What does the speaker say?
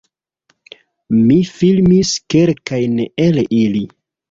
Mi filmis kelkajn el ili